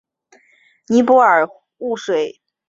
尼泊尔雾水葛为荨麻科雾水葛属下的一个变种。